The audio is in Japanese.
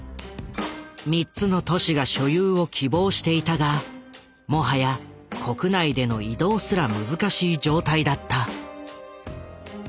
３つの都市が所有を希望していたがもはや国内での移動すら難しい状態だった。